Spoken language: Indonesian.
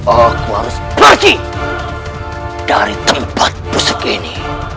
aku harus pergi dari tempat musik ini